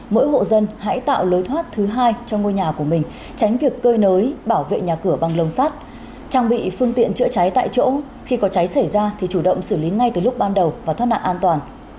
mỗi hộ dân hãy tạo lối thoát thứ hai cho ngôi nhà của mình tránh việc cơi nới bảo vệ nhà cửa bằng lồng sắt trang bị phương tiện chữa cháy tại chỗ khi có cháy xảy ra thì chủ động xử lý ngay từ lúc ban đầu và thoát nạn an toàn